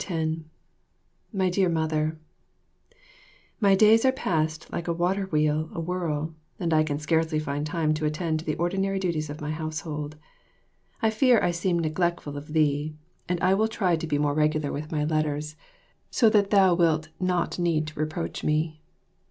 10 My Dear Mother, My days are passed like a water wheel awhirl, and I can scarcely find time to attend to the ordinary duties of my household. I fear I seem neglectful of thee, and I will try to be more regular with my letters, so that thou wilt not need reproach me.